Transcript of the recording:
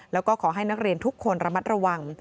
แล้วก็ขอให้นักเรียนทุกคนระมัดระวัง